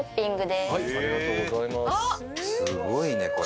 すごいねこれ。